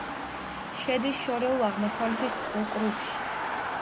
შედის შორეულ აღმოსავლეთის ოკრუგში.